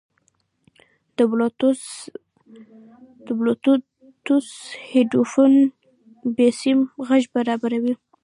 د بلوتوث هیډفون بېسیم غږ برابروي.